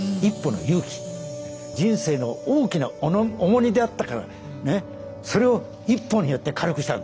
人生の大きな重荷であったからそれを一歩によって軽くしたんですね。